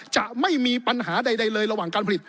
จะไม่มีปัญหาใดเลยระหว่างการผลิต